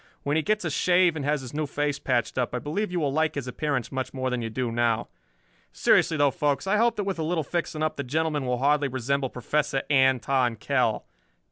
When he gets a shave and has his new face patched up I believe you will like his appearance much more than you do now. "Seriously though, folks, I hope that with a little fixing up the gentleman will hardly resemble Professor Anton Kell.